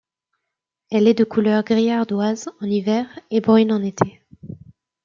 Elle est de couleur gris ardoise en hiver et brune en été.